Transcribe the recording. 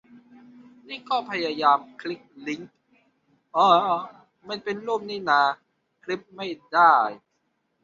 นี่ก็พยายามคลิกลิงก์ เอ้อ มันเป็นรูปนี่นา คลิปไม่ได้